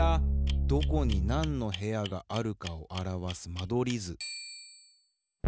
どこになんの部屋があるかをあらわす間取り図。